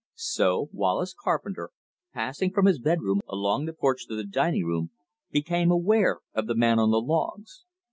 So Wallace Carpenter, passing from his bedroom, along the porch, to the dining room, became aware of the man on the logs.